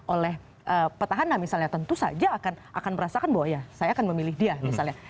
oleh petahana misalnya tentu saja akan merasakan bahwa ya saya akan memilih dia misalnya